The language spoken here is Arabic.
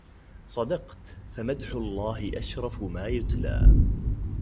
صدقت فمدح الله أشرف ما يتلى